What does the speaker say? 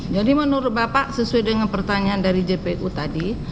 jadi menurut bapak sesuai dengan pertanyaan dari jpu tadi